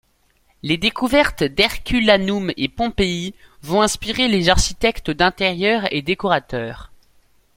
Les découvertes d'Herculanum et Pompéi vont inspirer les architectes d'intérieur et décorateurs.